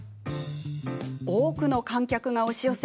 多くの観客が押し寄せ